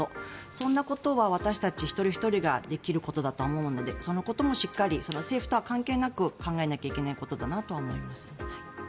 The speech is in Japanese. そんなことは私たち一人ひとりができることだとは思うのでそのこともしっかり政府とは関係なく考えなきゃいけないことだなとは思います。